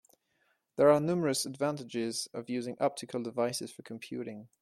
There are numerous advantages of using optical devices for computing.